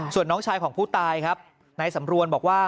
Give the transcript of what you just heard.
ส่วนน้องชายของผู้ตายครับนายสำรวนบอกว่า